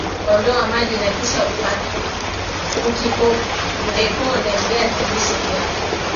Ondoa maji na kisha ukipondeponde viazi lishe vyako